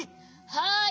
はい。